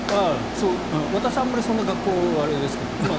私はあまりそんな学校、あれですけど。